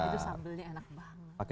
itu sambelnya enak banget